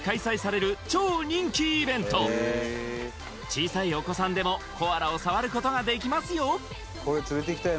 小さいお子さんでもコアラを触ることができますよ